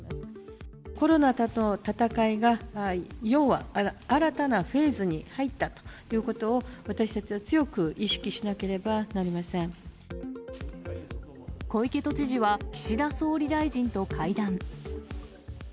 コロナとの戦いが、要は新たなフェーズに入ったということを、私たちは強く意識しな小池都知事は、岸田総理大臣と会談。